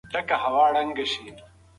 د مڼو په باغ کې کار کول ډیر خوندور وي.